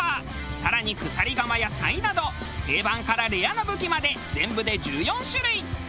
更に鎖鎌や釵など定番からレアな武器まで全部で１４種類。